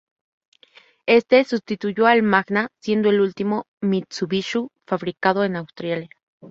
Este sustituyó al Magna, siendo el último Mitsubishi fabricado en Australia.